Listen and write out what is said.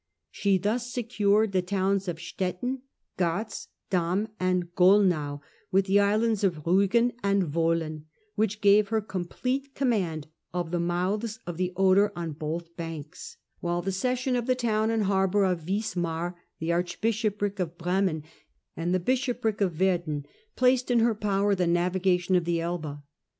She thus secured the towns of Stettin, Gartz, Dam, and Golnau, with the islands of Rii gen and Wolin, which gave her complete command of the mouths of the Oder on both banks, while the cession of the town and harbour of Wismar, the archbishopric of Bremen, and the bishopric of Verden, placed in her power the navigation of the Elbe.